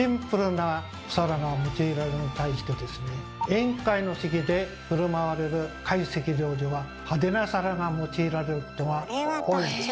宴会の席で振る舞われる会席料理はハデな皿が用いられることが多いんです。